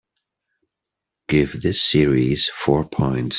Give this series four points